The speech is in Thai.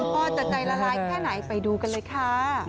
พ่อจะใจละลายแค่ไหนไปดูกันเลยค่ะ